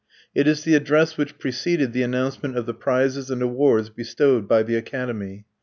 It is the address which preceded the announcement of the prizes and awards bestowed by the Academy.